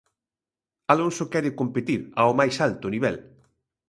Alonso quere competir ao máis alto nivel.